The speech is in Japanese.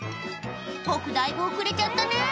ボクだいぶ遅れちゃったね